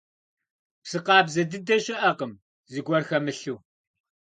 Псы къабзэ дыдэ щыӀэкъым, зыгуэр хэмылъу.